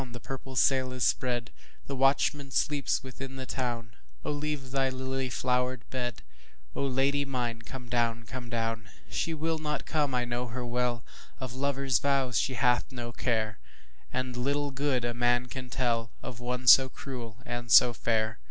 the purple sail is spread, The watchman sleeps within the town,O leave thy lily flowered bed,O Lady mine come down, come down! She will not come, I know her well, Of lover's vows she hath no care, And little good a man can tellOf one so cruel and so fair.